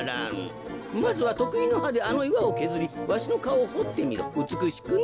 まずはとくいのはであのいわをけずりわしのかおをほってみろうつくしくな。